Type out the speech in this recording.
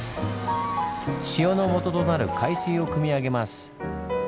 塩のもととなる海水をくみ上げます。